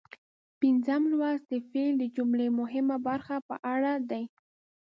پنځم لوست د فعل د جملې مهمه برخه په اړه دی.